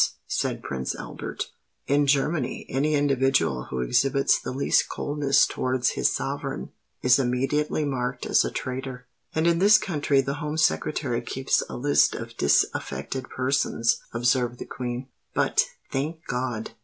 said Prince Albert. "In Germany, any individual who exhibits the least coldness towards his sovereign is immediately marked as a traitor." "And in this country the Home Secretary keeps a list of disaffected persons," observed the Queen; "but, thank God!